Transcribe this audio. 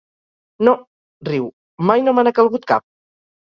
No —riu—, mai no me n'ha calgut cap.